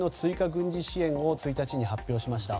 軍事支援を１日に発表しました。